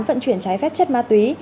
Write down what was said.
vận chuyển trái phép trật ma túy